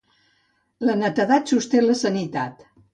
La netedat sosté la sanitat.